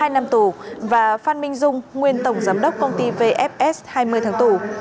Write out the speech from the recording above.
hai năm tù và phan minh dung nguyên tổng giám đốc công ty vfs hai mươi tháng tù